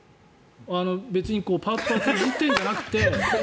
別にパーツ、パーツいじってるんじゃなくて。